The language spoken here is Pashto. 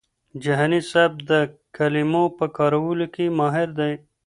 جهاني صاحب د کلمو په کارولو کي ماهر دی.